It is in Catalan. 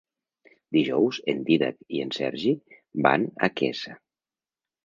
Dijous en Dídac i en Sergi van a Quesa.